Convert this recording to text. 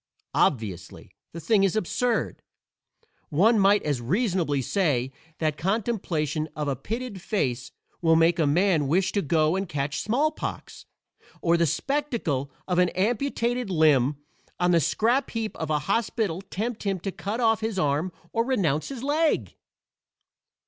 Obviously, the thing is absurd; one might as reasonably say that contemplation of a pitted face will make a man wish to go and catch smallpox, or the spectacle of an amputated limb on the scrap heap of a hospital tempt him to cut off his arm or renounce his leg.